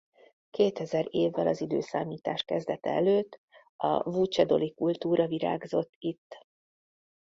Kétezer évvel az időszámítás kezdete előtt a vucsedoli-kultúra virágzott itt.